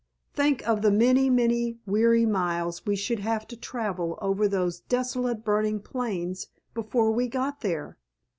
Think of the many, many weary miles we should have to travel over those desolate burning plains before we got there!